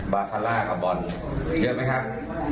บาคาร่ากับบอลเยอะไหมครับ